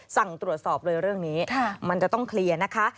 สั่งตรวจสอบเลยเรื่องนี้มันจะต้องเคลียร์นะคะ